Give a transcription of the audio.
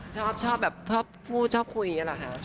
ชอบแบบเพราะพูดชอบคุยอย่างนั้นเหรอคะ